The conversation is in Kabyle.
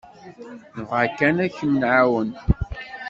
Nebɣa kan ad kem-nεawen.